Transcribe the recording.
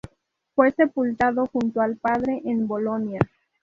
Fue sepultado junto al padre en Bolonia.